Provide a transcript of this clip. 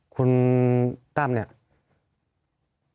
คุณตั้มเนี่ย